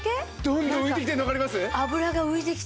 どんどん浮いてきてるのわかります？